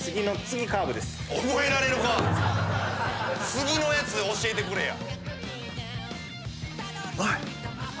次のやつ教えてくれや。